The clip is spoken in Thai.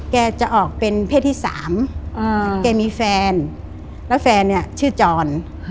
แกจะออกเป็นเพศที่๓แกมีแฟนแล้วแฟนเนี่ยชื่อจร